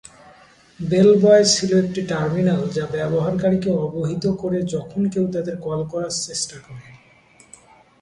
বেলবয় ছিল একটি টার্মিনাল যা ব্যবহারকারীকে অবহিত করে যখন কেউ তাদের কল করার চেষ্টা করে।